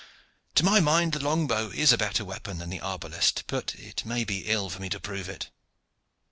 "To my mind the long bow is a better weapon than the arbalest, but it may be ill for me to prove it."